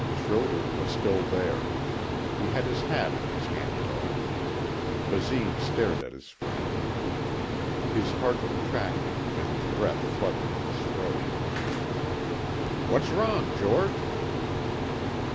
Schroder was still there. He had his hat in his hand, though. Basine stared at his friend. His heart contracted and his breath fluttered in his throat. "What's wrong, George?"